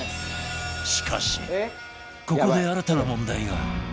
しかしここで新たな問題が